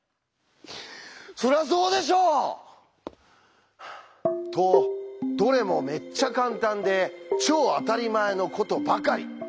そりゃあそうでしょ！とどれもめっちゃカンタンで超あたりまえのことばかり。